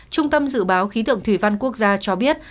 trung tâm dự báo khí tượng thủy văn quốc gia cho biết